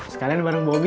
sekalian bareng bobby